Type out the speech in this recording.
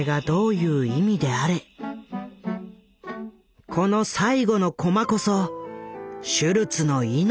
この最後のコマこそシュルツの命だった。